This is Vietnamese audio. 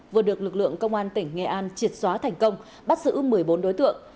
vừa được lực lượng công an tỉnh nghệ an triệt xóa thành công bắt giữ một mươi bốn đối tượng